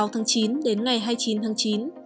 một mươi sáu tháng chín đến ngày hai mươi chín tháng chín